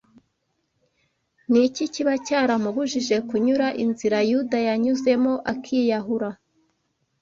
ni iki kiba cyaramubujije kunyura inzira Yuda yanyuzemo akiyahura?